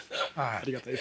ありがたい。